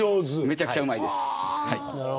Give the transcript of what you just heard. めちゃくちゃうまいです。